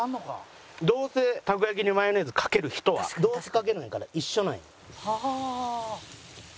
どうせたこ焼きにマヨネーズかける人はどうせかけるんやから一緒なんよ。